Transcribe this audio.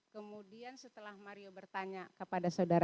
kemudian setelah mario bertanya kepada saudara